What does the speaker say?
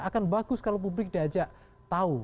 akan bagus kalau publik diajak tahu